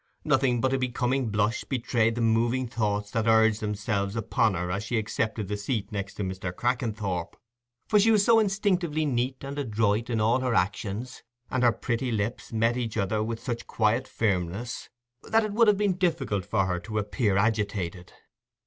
Nothing but a becoming blush betrayed the moving thoughts that urged themselves upon her as she accepted the seat next to Mr. Crackenthorp; for she was so instinctively neat and adroit in all her actions, and her pretty lips met each other with such quiet firmness, that it would have been difficult for her to appear agitated.